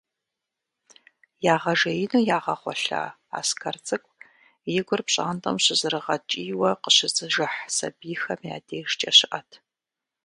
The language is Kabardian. Ягъэжеину ягъэгъуэлъа Аскэр цӏыкӏу и гур пщантӏэм щызэрыгъэкӏийуэ къыщызыжыхь сэбийхэм я дежкӏэ щыӏэт.